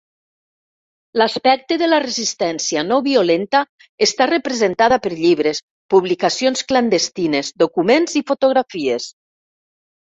L'aspecte de la resistència no violenta està representada per llibres, publicacions clandestines, documents i fotografies.